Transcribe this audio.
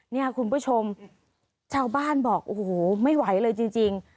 เนี่ยคุณผู้ชมชาวบ้านบอกโอ้โหไม่ไหวเลยจริง